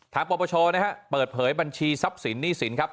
ปปชนะฮะเปิดเผยบัญชีทรัพย์สินหนี้สินครับ